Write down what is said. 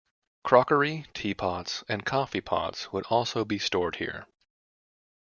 Crockery, tea pots and coffee pots would also be stored here.